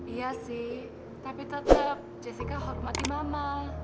iya sih tapi tetap jessica hormati mama